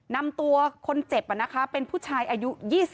นำตัวคนเจ็บเป็นผู้ชายอายุ๒๓